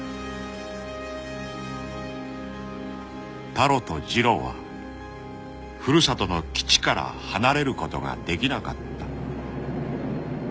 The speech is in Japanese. ［タロとジロはふるさとの基地から離れることができなかった］